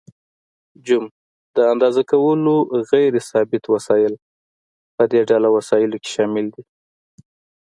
ج: د اندازه کولو غیر ثابت وسایل: په دې ډله وسایلو کې شامل دي.